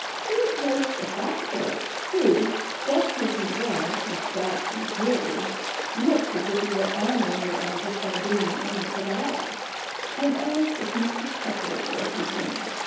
He approached a fat clerk (who, decked as he was with doubtful jewellery, looked as if he were honouring the office by being in it at all), and asked if Mr. Kettel was within.